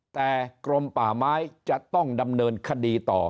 แต่กรมป่าไม้จะต้องดำเนินคดีต่อ